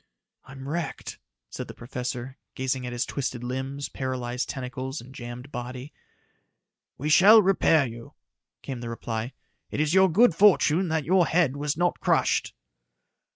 "I'm wrecked," said the professor, gazing at his twisted limbs, paralyzed tentacles and jammed body. "We shall repair you," came the reply. "It is your good fortune that your head was not crushed."